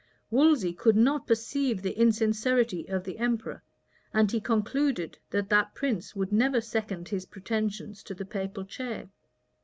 Wolsey could not perceive the insincerity of the emperor, and he concluded that that prince would never second his pretensions to the papal chair.